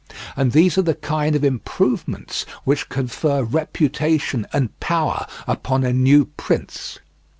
And these are the kind of improvements which confer reputation and power upon a new prince.